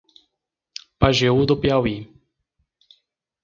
Pajeú do Piauí